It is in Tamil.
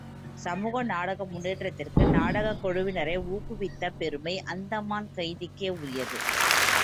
சமூக நாடக முன்னேற்றத்திற்கு நாடகக் குழுவினரை ஊக்குவித்த பெருமை அந்தமான் கைதிக்கே உரியது.